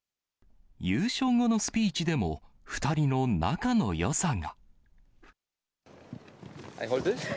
優勝後のスピーチでも、２人の仲のよさが。